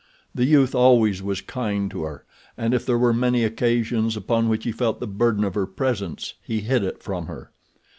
The youth always was kind to her, and if there were many occasions upon which he felt the burden of her presence he hid it from her.